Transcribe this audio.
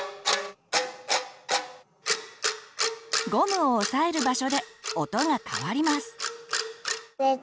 ゴムを押さえる場所で音が変わります。